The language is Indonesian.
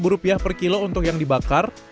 dua puluh rupiah per kilo untuk yang dibakar